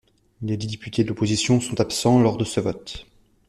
Les dix députés de l'opposition sont absents lors de ce vote.